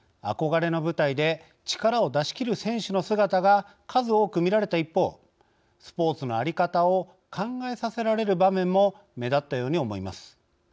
憧れの舞台で力を出し切る選手の姿が数多く見られた一方スポーツの在り方を考えさせられる場面も目立ったように思います。